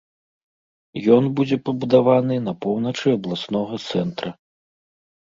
Ён будзе пабудаваны на поўначы абласнога цэнтра.